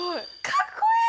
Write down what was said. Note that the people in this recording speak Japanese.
かっこいい！